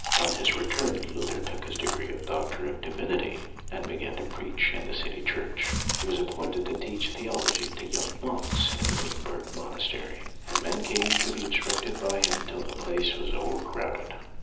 On his return Luther took his degree of doctor of divinity, and began to preach in the city church. He was ap pointed to teach theology to the young monks in the Wittenberg monastery, and men came to be instructed by him till the place was overcrowded.